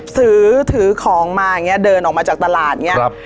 ซื้อถือของมาอย่างนี้เดินออกมาจากตลาดอย่างนี้